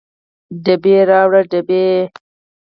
ډبې راوړه ډبې